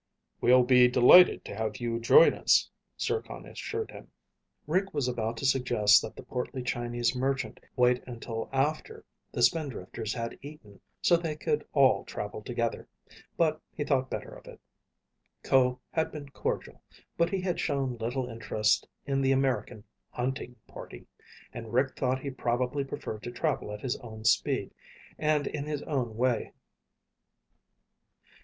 "We'll be delighted to have you join us," Zircon assured him. Rick was about to suggest that the portly Chinese merchant wait until after the Spindrifters had eaten so they could all travel together, but he thought better of it. Ko had been cordial, but he had shown little interest in the American "hunting" party and Rick thought he probably preferred to travel at his own speed and in his own way.